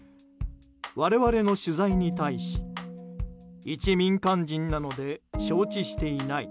我々の取材に対し一民間人なので承知していない。